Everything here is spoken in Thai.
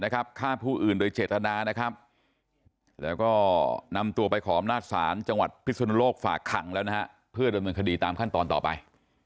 เดินหนีไปก่อนเลย